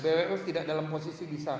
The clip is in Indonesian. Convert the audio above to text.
bws tidak dalam posisi bisa